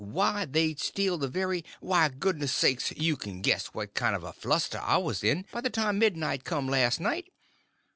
Why, they'd steal the very—why, goodness sakes, you can guess what kind of a fluster I was in by the time midnight come last night.